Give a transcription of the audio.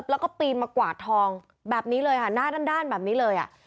แล้วก็ปีนมากวาดทองแบบนี้เลยค่ะหน้าด้านแบบนี้เลยอ่ะ